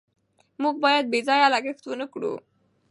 موږ باید بې ځایه لګښت ونکړو.